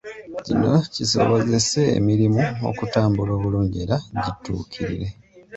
Kino kisobozese emirimu okutambula obulungi era gituukirire.